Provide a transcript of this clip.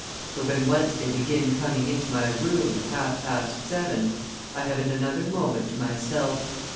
For, when once they begin coming into my room, at half past seven, I haven't another moment to myself.